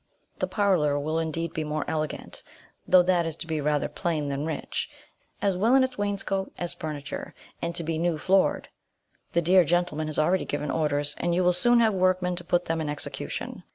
The parlour will indeed be more elegant; though that is to be rather plain than rich, as well in its wainscot as furniture, and to be new floored. The dear gentleman has already given orders, and you will soon have workmen to put them in execution.